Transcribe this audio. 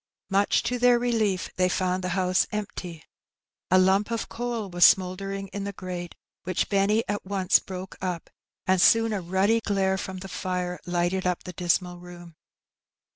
Much to their rehef, they found the bouse empty. A lamp of ooal was smouldering in the grate, which Benny at once 16 Heb Benky. broke up^ and soon a ruddy glare from the fire lighted np the dismal room.